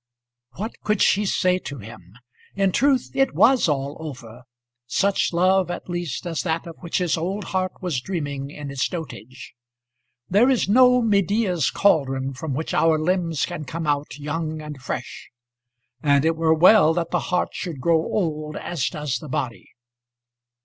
What could she say to him? In truth, it was all over, such love at least as that of which his old heart was dreaming in its dotage. There is no Medea's caldron from which our limbs can come out young and fresh; and it were well that the heart should grow old as does the body.